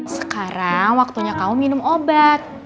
sekarang waktunya kau minum obat